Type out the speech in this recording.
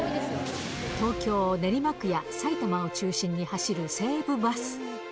東京・練馬区や埼玉を中心に走る西武バス。